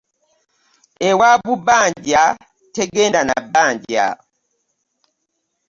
Ewaabu bbanja tegenda na bbanja .